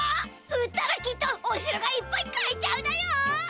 売ったらきっとおしろがいっぱい買えちゃうだよ！